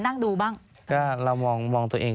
นั่งดูบ้างก็เรามองมองตัวเอง